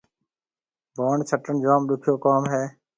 ڀوڻ ڇٽڻ جوم ڏُکيو ڪوم هيَ۔